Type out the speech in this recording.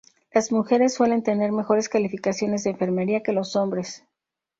Las mujeres suelen tener mejores calificaciones de enfermería que los hombres.